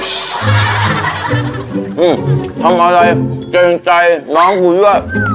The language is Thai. ทำอะไรเจนใจน้องกูด้วย